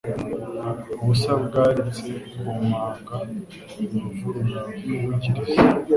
Ubusa bwaritse ku manga Uruvu ruravugiriza